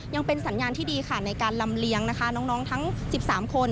ยังเป็นสัญญาณที่ดีค่ะในการลำเลียงนะคะน้องทั้ง๑๓คน